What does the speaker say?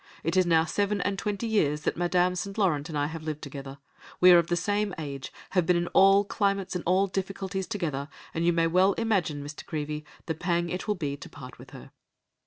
It is now seven and twenty years that Madame St. Laurent and I have lived together; we are of the same age, have been in all climates and all difficulties together, and you may well imagine, Mr. Creevey, the pang it will be to part with her."